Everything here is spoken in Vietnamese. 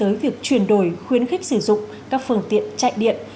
tới việc chuyển đổi khuyến khích sử dụng các phương tiện chạy điện